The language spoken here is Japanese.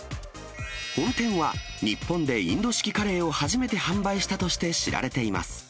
本店は日本でインド式カレーを初めて販売したとして知られています。